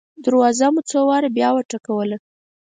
دروازه مو څو واره بیا وټکوله.